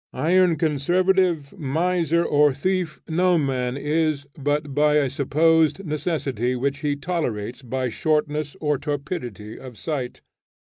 Iron conservative, miser, or thief, no man is but by a supposed necessity which he tolerates by shortness or torpidity of sight.